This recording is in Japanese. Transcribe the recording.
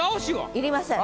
いりません。